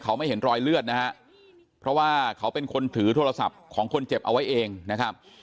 เขาไม่เห็นรอยเลือดนะฮะเพราะว่าเขาเป็นคนถือโทรศัพท์ของคนเจ็บเอาไว้เองนะครับ